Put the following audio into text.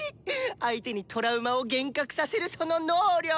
相手にトラウマを幻覚させるその能力！